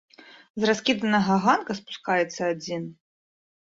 З раскіданага ганка спускаецца адзін.